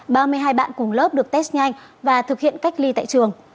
ba mươi hai bạn cùng lớp được test nhanh và thực hiện cách ly tại trường